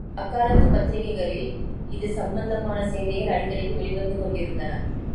அக்காலத்துப் பத்திரிகைகளில் இது சம்பந்தமான செய்திகள் அடிக்கடி வெளிவந்து கொண்டிருந்தன.